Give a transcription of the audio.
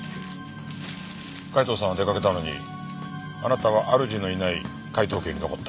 海東さんは出かけたのにあなたはあるじのいない海東家に残った。